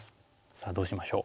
さあどうしましょう？